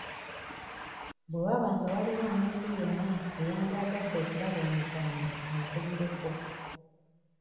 Bwe waba nga waliwo omuntu yenna eyandyagadde okulaba omuzannyo ankubireko.